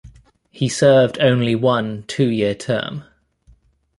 He served only one two-year term.